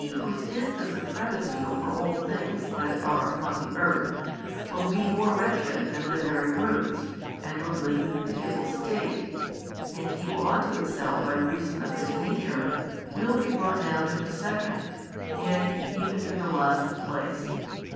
whose is the supremacy over all things that are upon the earth, will be more wretched than the very brutes, and will live in pitiable state, and he who ought to excel by reason of his nature, will be brought down to the second, yea, even to the last place?